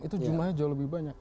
itu jumlahnya jauh lebih banyak